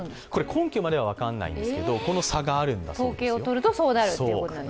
根拠までは分からないんですけど、この差があるそうなんです。